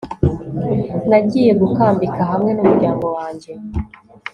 nagiye gukambika hamwe n'umuryango wanjye